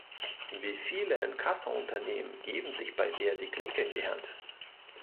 Wieviele Inkasso Unternehmen geben sich bei der die Klinke in die Hand?